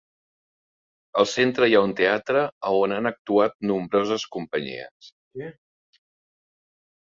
Al centre hi ha un teatre, a on han actuat nombroses companyies.